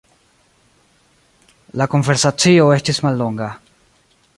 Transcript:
La konversacio estis mallonga.